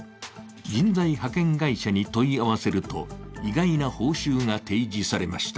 人材派遣会社に問い合わせると意外な報酬が提示されました。